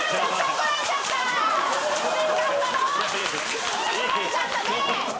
怒られちゃったね！